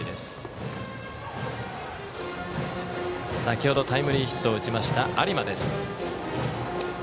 先ほどタイムリーヒットを打ちました有馬です。